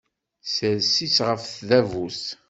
Ssers-itt ɣef tdabut.